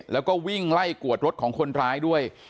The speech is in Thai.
แล้วก็วิ่งไล่กวดรถของคนร้ายด้วย